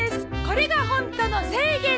これがホントの制限。